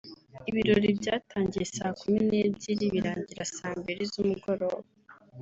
Ibirori byatangiye saa kumi n’ebyiri birangira saa mbiri z’umugoroba